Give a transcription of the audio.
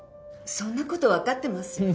そんなことわかってますよ。